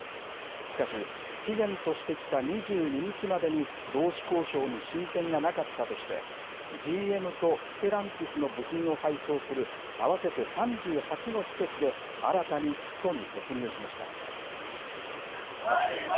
しかし、期限としてきた２２日までに労使交渉に進展がなかったとして、ＧＭとステランティスの部品を配送する合わせて３８の施設で、新たにストに突入しました。